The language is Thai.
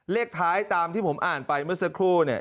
เลขท้ายตามที่ผมอ่านไปเมื่อสักครู่เนี่ย